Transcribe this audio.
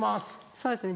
そうですね